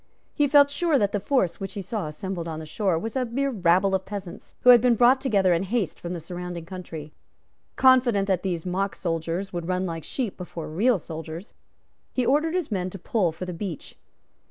He felt sure that the force which he saw assembled on the shore was a mere rabble of peasants, who had been brought together in haste from the surrounding country. Confident that these mock soldiers would run like sheep before real soldiers, he ordered his men to pull for the beach.